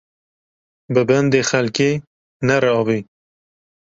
Bi bendê xelkê nere avê